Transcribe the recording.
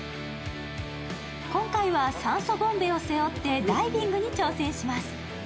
今回は酸素ボンベを背負ってダイビングに挑戦します。